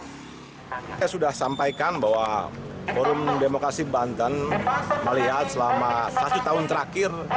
saya sudah sampaikan bahwa forum demokrasi banten melihat selama satu tahun terakhir